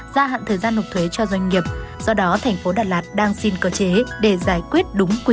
gia hạn thời gian nộp thuế cho doanh nghiệp